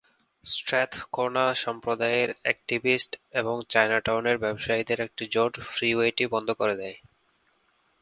Strathcona সম্প্রদায়ের activist এবং চায়নাটাউনের ব্যবসায়ীদের একটি জোট ফ্রিওয়েটি বন্ধ করে দেয়।